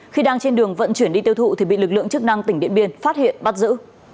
khi đang trên đường vận chuyển đi tiêu thụ thì bị lực lượng chức năng tỉnh điện biên phát hiện bắt giữ